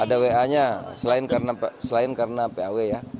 ada wa nya selain karena paw ya